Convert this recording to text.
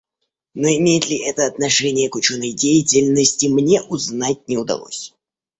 Но имеет ли это отношение к ученой деятельности, мне узнать не удалось.